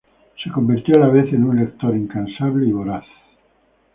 Se convirtió, a la vez, en un lector incansable y voraz.